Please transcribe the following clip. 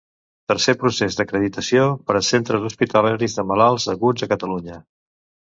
Tercer procés d'acreditació per a centres hospitalaris de malalts aguts a Catalunya.